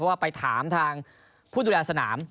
ใครถามทางผู้ดูแลสนาม